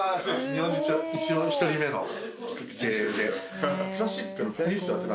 日本人一応１人目の学生で。